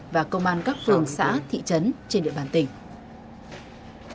và công an các phường xã thị trấn trên địa bàn tỉnh